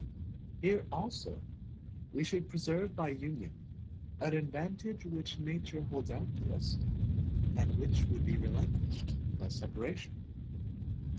Here also we should preserve by Union, an advantage which nature holds out to us, and which would be relinquished by separation.